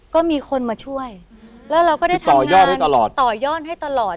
ก็มีคนมาช่วยแล้วเราก็ได้ทำต่อยอดให้ตลอดต่อยอดให้ตลอด